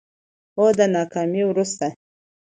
او د ناکامي وروسته